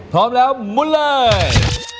พร้อมแล้วมุนเลย